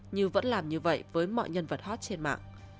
nhưng vẫn làm như vậy với mọi nhân vật hot trên mạng